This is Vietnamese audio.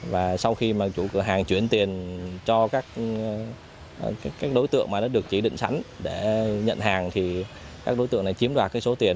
và sau khi mà chủ cửa hàng chuyển tiền cho các đối tượng mà đã được chỉ định sẵn để nhận hàng thì các đối tượng này chiếm đoạt cái số tiền